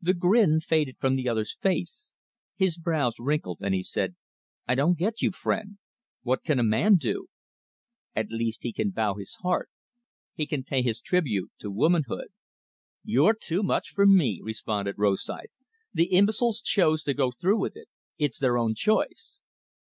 The grin faded from the other's face. His brows wrinkled, and he said: "I don't get you, friend. What can a man do?" "At least he can bow his heart; he can pay his tribute to womanhood." "You're too much for me," responded Rosythe. "The imbeciles choose to go through with it; it's their own choice."